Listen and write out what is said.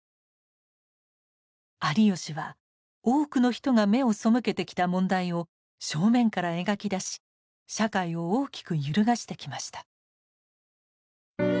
有吉は多くの人が目を背けてきた問題を正面から描き出し社会を大きく揺るがしてきました。